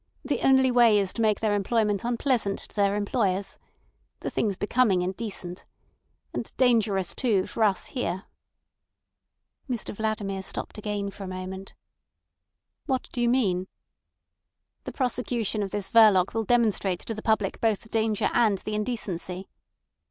The only way is to make their employment unpleasant to their employers. The thing's becoming indecent. And dangerous too, for us, here." Mr Vladimir stopped again for a moment. "What do you mean?" "The prosecution of this Verloc will demonstrate to the public both the danger and the indecency."